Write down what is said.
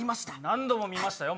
何度も見ましたよ